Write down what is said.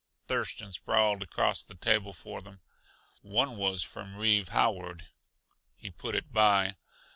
Thurston sprawled across the table for them. One was from Reeve Howard; he put it by.